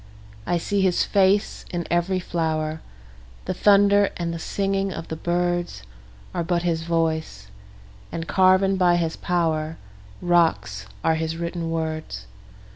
I see his face in every flower; The thunder and the singing of the birdsAre but his voice—and carven by his powerRocks are his written words.